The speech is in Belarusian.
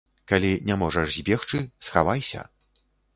Калі не можаш збегчы, схавайся.